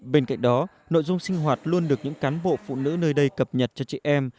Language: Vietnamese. bên cạnh đó nội dung sinh hoạt luôn được những cán bộ phụ nữ nơi đây cập nhật cho chị em